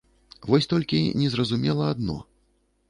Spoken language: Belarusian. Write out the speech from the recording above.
Вось толькі незразумела адно.